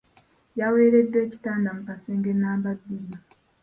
Yaweereddwa ekitanda mu kasenge nnamba bbiri.